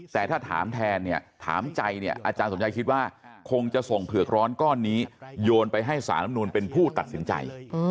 แต่ถ้าถามแทนเนี่ยถามใจเนี่ยอาจารย์สมชัยคิดว่าคงจะส่งเผือกร้อนก้อนนี้โยนไปให้สารลำนูลเป็นผู้ตัดสินใจ